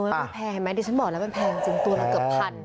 มันแพงไหมดิฉันบอกแล้วมันแพงจริงตัวละเกือบพัน